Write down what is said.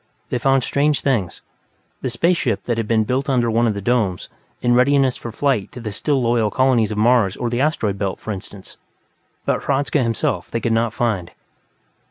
They found strange things the space ship that had been built under one of the domes, in readiness for flight to the still loyal colonies on Mars or the Asteroid Belt, for instance but Hradzka himself they could not find.